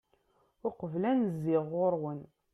uqbel ad n-zziɣ ɣur-wen